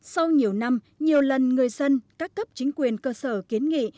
sau nhiều năm nhiều lần người dân các cấp chính quyền cơ sở kiến nghị